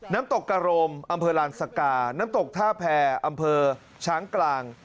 น้ำตกกระโรมอำเภอลานสกาน้ำตกท่าแพรอำเภอช้างกลาง